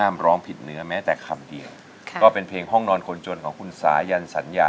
พระเลยราชาโวน